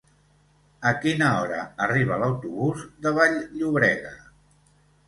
A quina hora arriba l'autobús de Vall-llobrega?